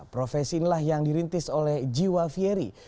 profesi inilah yang dirintis oleh jiwa fieri